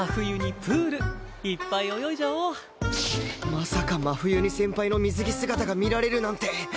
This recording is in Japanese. まさか真冬に先輩の水着姿が見られるなんて